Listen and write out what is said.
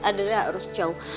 adriana harus jauh